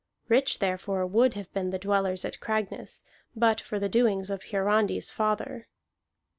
Rich, therefore, would have been the dwellers at Cragness, but for the doings of Hiarandi's father.